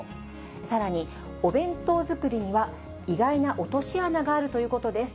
さらに、お弁当作りには意外な落とし穴があるということです。